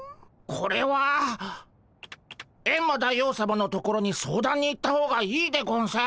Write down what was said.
これはエンマ大王さまのところに相談に行った方がいいでゴンス。